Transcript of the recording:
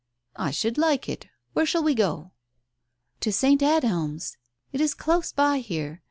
" I should like it. Where shall we go ?" "To St. Adhelm's ! It is close by here.